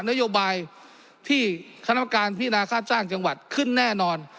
นโยบายที่คณะประการพินาค่าจ้างจังหวัดขึ้นแน่นอน